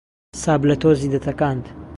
سابلە تۆزی دەتەکاند